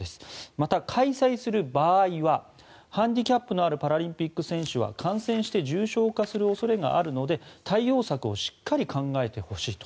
また、開催する場合はハンディキャップのあるパラリンピック選手は感染して重症化する恐れがあるので対応策をしっかり考えてほしいと。